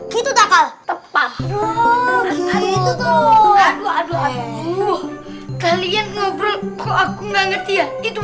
gitu takal tepat itu tuh aduh aduh aduh kalian ngobrol kok aku nggak ngerti ya itu